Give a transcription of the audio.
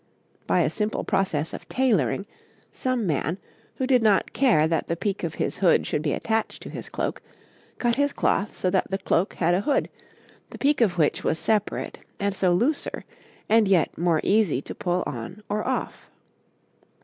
By a simple process in tailoring, some man, who did not care that the peak of his hood should be attached to his cloak, cut his cloth so that the cloak had a hood, the peak of which was separate and so looser, and yet more easy to pull on or off.